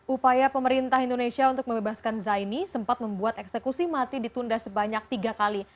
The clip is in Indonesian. upaya pemerintah indonesia untuk membebaskan zaini sempat membuat eksekusi mati ditunda sebanyak tiga kali